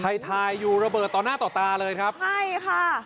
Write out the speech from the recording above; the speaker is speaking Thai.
ถ่ายถ่ายอยู่ระเบิดต่อหน้าต่อตาเลยครับใช่ค่ะ